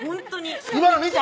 今の見た？